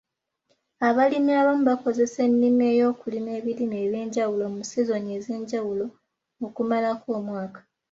Abalimi abamu bakozesa ennima y'okulima ebirime eby'enjawulo mu sizoni ez'enjawulo okumalako omwaka.